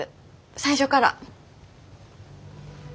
最初から。